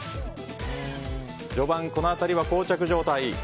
序盤、この辺りは膠着状態。